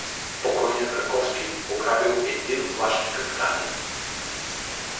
покойният Раковски ограбил един влашки капитанин.